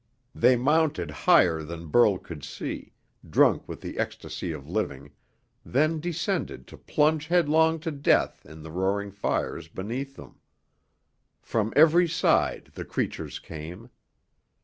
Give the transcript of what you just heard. They mounted higher than Burl could see, drunk with the ecstasy of living, then descended to plunge headlong to death in the roaring fires beneath them. From every side the creatures came.